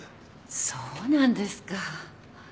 そうなんですか。